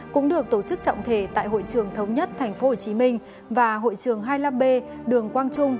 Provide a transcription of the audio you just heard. cũng được tổ chức trọng thể tại hội trường thống nhất tp hcm và hội trường hai mươi năm b đường quang trung